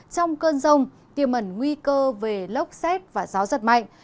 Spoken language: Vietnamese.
trong cơn rông tiềm ẩn nguy cơ về lốc xét và gió giật mạnh